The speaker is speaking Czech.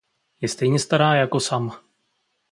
Je stejně stará jako Sam.